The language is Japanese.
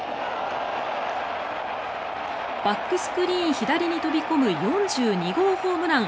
バックスクリーン左に飛び込む４２号ホームラン。